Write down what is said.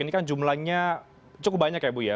ini kan jumlahnya cukup banyak ya bu ya